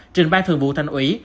trình ban thường vụ thành ủy